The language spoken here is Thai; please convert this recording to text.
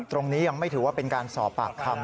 ตรงนี้ยังไม่ถือว่าเป็นการสอบปากคำ